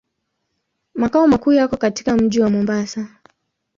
Makao makuu yako katika mji wa Mombasa.